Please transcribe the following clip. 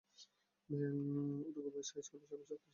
Otago boys high স্কুলের সাবেক ছাত্র ছিলেন তিনি।